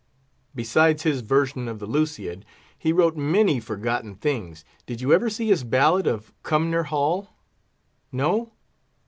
Besides his version of the Lusiad, he wrote many forgotten things. Did you ever see his ballad of Cumnor Hall?—No?